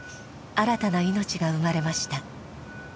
新たな命が生まれました。